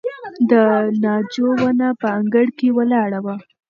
د ناجو ونه په انګړ کې ولاړه وه.